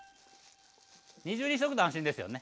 二重にしとくと安心ですよね。